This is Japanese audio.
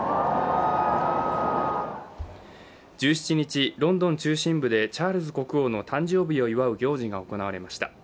１７日、ロンドン中心部でチャールズ国王の誕生日を祝う行事が行われました。